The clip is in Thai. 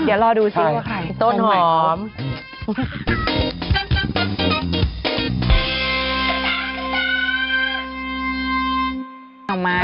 เดี๋ยวเราดูซิว่าใครคือต้นหอมโอเคค่ะโอ้มายค่ะโอ้มายค่ะ